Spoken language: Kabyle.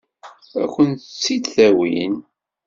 Ad kent-tt-id-awin?